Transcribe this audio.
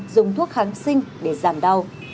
dùng thuốc kháng sinh để giảm đau